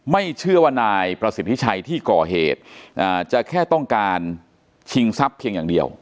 ไม่เชื่อว่านายประสิทธิชัยที่ก่อเหตุจะแค่ต้องการชิงทรัพย์เพียงอย่างเดียว